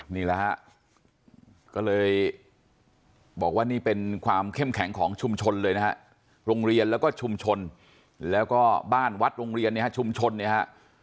นี่แหละฮะก็เลยบอกว่านี่เป็นความเข้มแข็งของชุมชนเลยนะฮะโรงเรียนแล้วก็ชุมชนแล้วก็บ้านวัดโรงเรียนเนี่ยฮะชุมชนเนี่ยฮะ